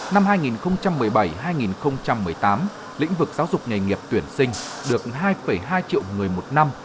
năm hai nghìn một mươi bảy hai nghìn một mươi tám lĩnh vực giáo dục nghề nghiệp tuyển sinh được hai hai triệu người một năm